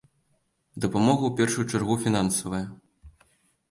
Дапамога ў першую чаргу фінансавая.